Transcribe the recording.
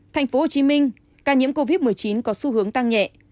thành phố hồ chí minh ca nhiễm covid một mươi chín có xu hướng tăng nhẹ